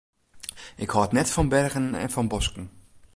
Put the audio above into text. Ik hâld net fan bergen en fan bosken.